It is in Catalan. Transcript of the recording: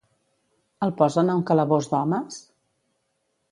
El posen a un calabós d'homes?